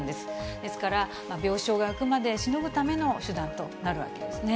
ですから、病床が空くまでしのぐための手段となるわけですね。